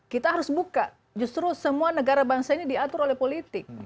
kita harus buka justru semua negara bangsa ini diatur oleh politik